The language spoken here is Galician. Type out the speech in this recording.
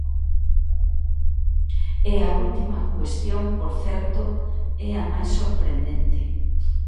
E a última cuestión, por certo, é a máis sorprendente.